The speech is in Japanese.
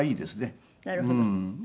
なるほど。